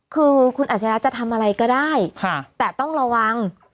คือคุณอัจฉริยะจะทำอะไรก็ได้แต่ต้องระวัง